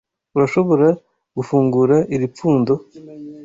Urashobora gufungura iri pfundo?